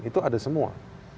itu ada semua